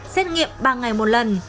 xét nghiệm ba ngày một lần